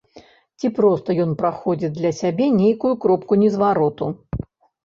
Ці проста ён праходзіць для сябе нейкую кропку незвароту.